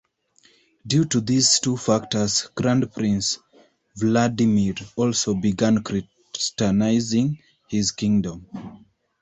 Due to these two factors, Grand Prince Vladimir also began Christianizing his kingdom.